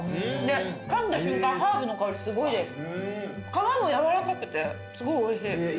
皮もやわらかくてすごいおいしい。